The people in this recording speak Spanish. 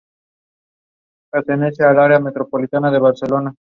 A comienzos de abril su cuerpo fue encontrado a las fueras de Berlín.